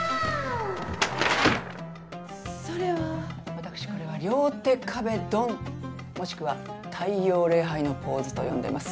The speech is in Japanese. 私これは両手壁ドンもしくは太陽礼拝のポーズと呼んでます。